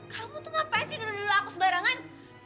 kamu tuh ngapain sih nuduh nuduh aku sembarangan